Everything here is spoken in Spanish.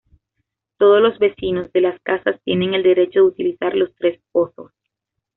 Todos los vecinos de las casas tienen el derecho de utilizar los tres pozos.